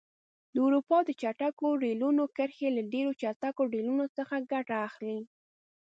د اروپا د چټکو ریلونو کرښې له ډېرو چټکو ریلونو څخه ګټه اخلي.